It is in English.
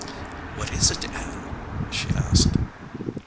"What is it, Ann?" she asked.